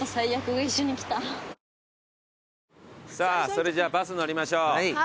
それじゃあバス乗りましょう。